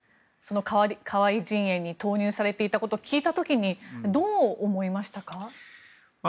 その１０倍の選挙資金が河井陣営に投入されていたことを聞いた時にどう思いましたか？